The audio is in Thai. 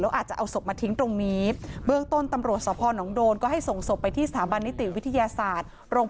อาจจะเอาศพมาทิ้งตรงนี้เบื้องต้นตำรวจสพนโดนก็ให้ส่งศพไปที่สถาบันนิติวิทยาศาสตร์